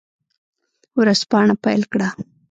ورځپاڼه پیل کړه.